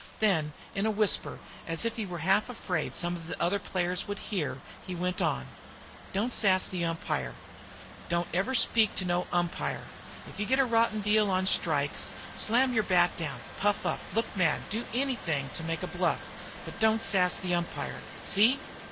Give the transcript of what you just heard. Then in a whisper, as if he were half afraid some of the other players would hear, he went on: "Don't sass the umpire. Don't ever speak to no umpire. If you get a rotten deal on strikes, slam your bat down, puff up, look mad, do anythin' to make a bluff, but don't sass the umpire. See!"